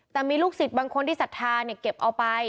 แต่มีลูกศิษย์บางคนที่ศรัทธาเนี่ยเก็บเอาไป